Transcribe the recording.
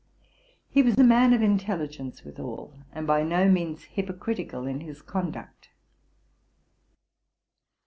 He was a man of intelligence withal, and by no means hypocritical in his conduct.